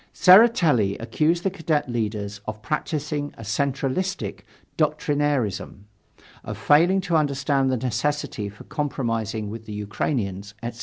Tseretelli accused the Cadet leaders of practising a centralistic doctrinairism, of failing to understand the necessity for compromising with the Ukrainians, etc.